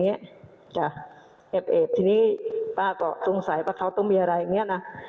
แอบแอบทีนี้ป้าก็สงสัยว่าเขาต้องมีอะไรอย่างเงี้ยนะ